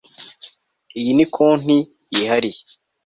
iyi ni konti yihariye